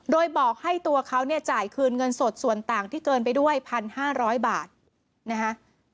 โดยบอกให้ตัวเขาเนี่ยจ่ายคืนเงินสดส่วนต่างที่เกินไปด้วย๑๕๐๐บาทนะคะ